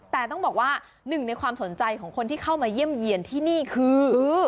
แต่ต้องบอกว่าหนึ่งในความสนใจของคนที่เข้ามาเยี่ยมเยี่ยนที่นี่คือ